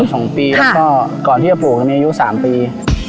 สองปีแล้วก็ก่อนที่จะปลูกจะมีอายุ๓ปี